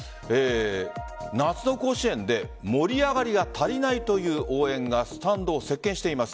夏の甲子園で盛り上がりが足りないという応援がスタンドを席巻しています。